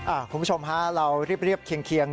คุณผู้ชมฮะเราเรียบเคียง